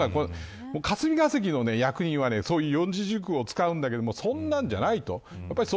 霞が関の役人はそういう四字熟語を使うんだけどそんなんじゃないと。